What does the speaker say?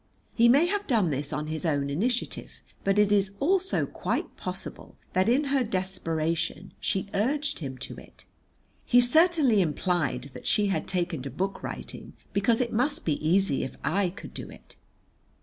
He may have done this on his own initiative, but it is also quite possible that in her desperation she urged him to it; he certainly implied that she had taken to book writing because it must be easy if I could do it.